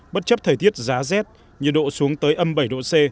bất chấp thời tiết giá rét nhiệt độ xuống tới âm bảy độ c